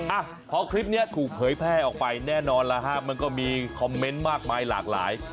อ่ะพอคลิปนี้ถูกเผยแพร่ออกไปแน่นอนแล้วฮะมันก็มีคอมเมนต์มากมายหลากหลาย